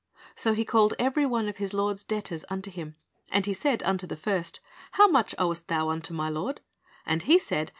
So he called every one of his lord's debtors unto him, and said unto the first, How much owest thou unto my lord? And he said.